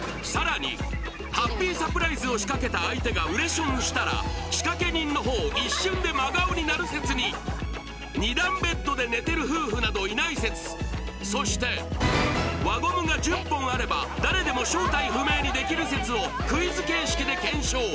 さらにハッピーサプライズを仕掛けた相手がウレションしたら仕掛け人の方一瞬で真顔になる説に２段ベッドで寝てる夫婦などいない説そして輪ゴムが１０本あれば誰でも正体不明にできる説をクイズ形式で検証